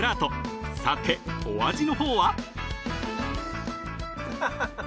［さてお味の方は？］